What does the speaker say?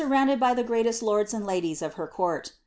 rounded by ihe greatest lords and ladies of )ier rourl.